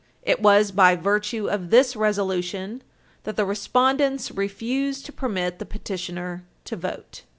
It was by virtue of this resolution that the respondents refused to permit the petitioner to vote.